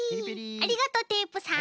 ありがとうテープさん。